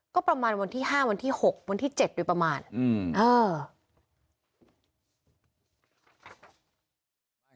ก็ประมาณวันที่ห้าวันที่หกวันที่เจ็ดโดยประมาณอืมเออ